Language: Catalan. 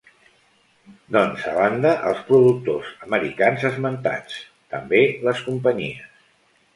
Doncs, a banda els productors americans esmentats, també les companyies.